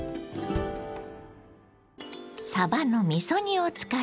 さばのみそ煮を使います。